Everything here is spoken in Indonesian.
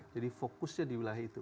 jadi fokusnya di wilayah itu